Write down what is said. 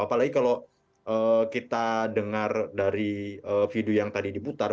apalagi kalau kita dengar dari video yang tadi diputar